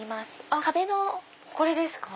あっこれですか？